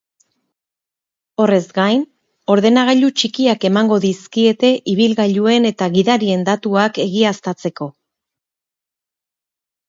Horrez gain, ordenagailu txikiak emango dizkiete ibilgailuen eta gidarien datuak egiaztatzeko.